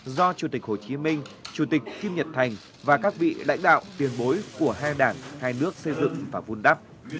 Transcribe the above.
do chủ tịch hồ chí minh chủ tịch kim nhật thành và các vị lãnh đạo tiền bối của hai đảng hai nước xây dựng và vun đắp